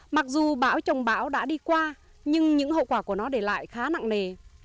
mặc dù bão trồng bão đã đi qua nhưng những hậu quả của nó để lại khá nặng nề